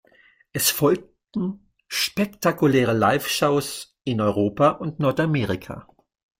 Es folgten spektakuläre Live-Shows in Europa und Nordamerika.